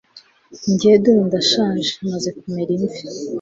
jye dore ndashaje, maze kumera imvi